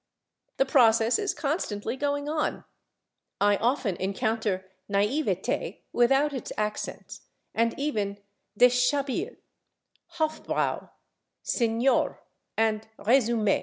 The process is constantly going on. I often encounter /naïveté/ without its accents, and even /déshabille/, /hofbräu/, /señor/ and /résumé